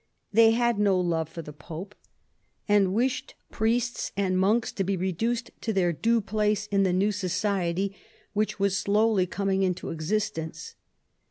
They had no love for the Pope, and wished priests and monks to be reduced to their due place in the new society which was slowly coming into existence.